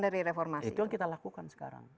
dari reformasi yang kita lakukan sekarang